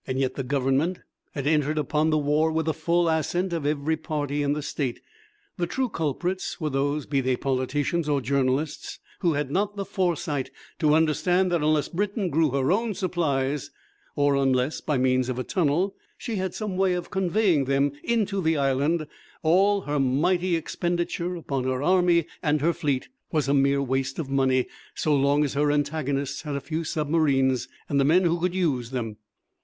Yet the Government had entered upon the war with the full assent of every party in the State. The true culprits were those, be they politicians or journalists, who had not the foresight to understand that unless Britain grew her own supplies, or unless by means of a tunnel she had some way of conveying them into the island, all her mighty expenditure upon her army and her fleet was a mere waste of money so long as her antagonists had a few submarines and men who could use them.